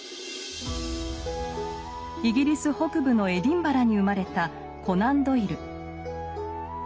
イギリス北部のエディンバラに生まれたコナン・ドイル。